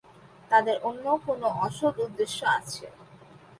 তাদের অন্য কোনো অসৎ উদ্দেশ্য আছে।